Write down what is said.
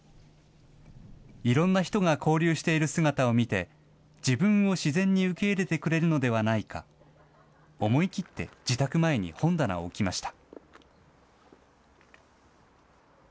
いろんな人が交流している姿を見て、自分を自然に受け入れてくれるのではないか、思い切って自宅前に本棚を置きました。